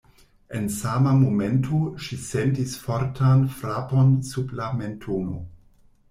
En sama momento ŝi sentis fortan frapon sub la mentono.